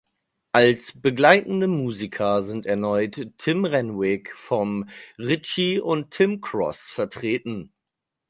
Als begleitende Musiker sind erneut Tim Renwick, Vom Ritchie und Tim Cross vertreten.